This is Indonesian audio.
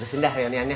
terusin dah reuniannya